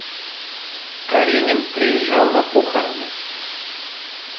Каренин приезжал на похороны.